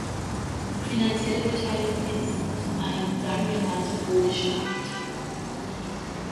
Die finanzielle Beteiligung ist ein sagen wir mal symbolischer Akt.